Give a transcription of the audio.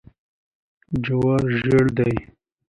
جوار ژیړ دي.